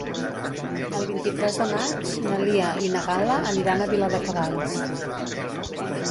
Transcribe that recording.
El vint-i-tres de maig na Lia i na Gal·la aniran a Viladecavalls.